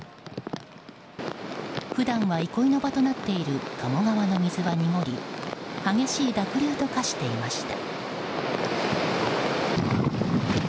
普段は憩いの場となっている鴨川の水は濁り激しい濁流と化していました。